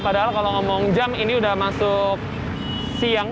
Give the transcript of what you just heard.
padahal kalau ngomong jam ini udah masuk siang